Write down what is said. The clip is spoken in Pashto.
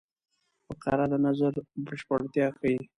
فقره د نظر بشپړتیا ښيي.